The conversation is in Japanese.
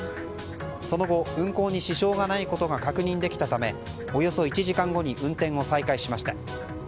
その後、運行に支障がないことが確認できたためおよそ１時間後に運転を再開しました。